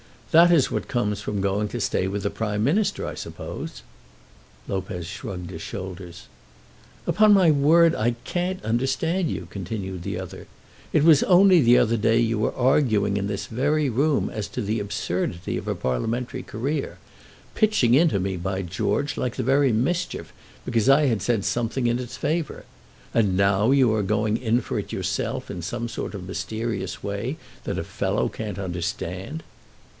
"That is what comes from going to stay with the Prime Minister, I suppose." Lopez shrugged his shoulders. "Upon my word I can't understand you," continued the other. "It was only the other day you were arguing in this very room as to the absurdity of a parliamentary career, pitching into me, by George, like the very mischief, because I had said something in its favour, and now you are going in for it yourself in some sort of mysterious way that a fellow can't understand."